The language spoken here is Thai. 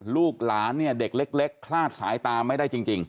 ลูกหลานเนี่ยเด็กเล็กคลาดสายตาไม่ได้จริง